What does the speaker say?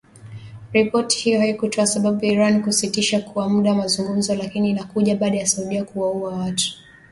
Ripoti hiyo haikutoa sababu ya Iran kusitisha kwa muda mazungumzo, lakini inakuja baada ya Saudi kuwaua watu thamanini na moja waliopatikana na hatia ya uhalifu.